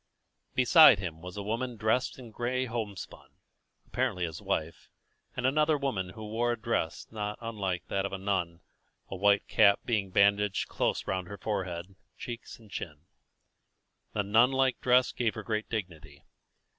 Beside him was a woman dressed in gray homespun, apparently his wife, and another woman who wore a dress not unlike that of a nun, a white cap being bandaged closely round her forehead, cheeks and chin. The nun like dress gave her great dignity.